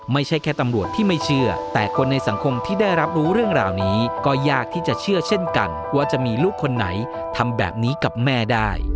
ไม่ใช่แค่ตำรวจที่ไม่เชื่อแต่คนในสังคมที่ได้รับรู้เรื่องราวนี้ก็ยากที่จะเชื่อเช่นกันว่าจะมีลูกคนไหนทำแบบนี้กับแม่ได้